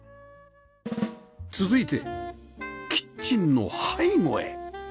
続いてキッチンの背後へ